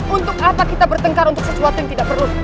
untuk apa kita bertengkar untuk sesuatu yang tidak perlu